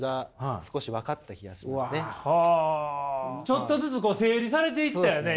ちょっとずつ整理されていったよね？